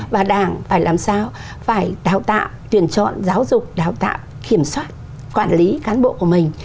và đảng phải làm sao phải đào tạo tuyển chọn giáo dục đào tạo kiểm soát quản lý cán bộ của mình